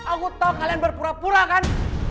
aku toh kalian berpura pura kan